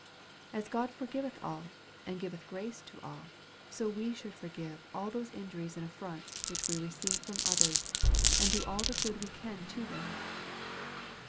As God forgiveth all, and giveth grace to all, so we should forgive all those injuries and atfronts which we receive from others, and do all the good Ave can to them.